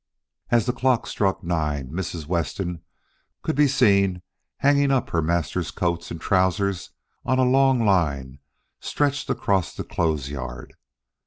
As the clock struck nine Mrs. Weston could be seen hanging up her master's coats and trousers on a long line stretched across the clothes yard.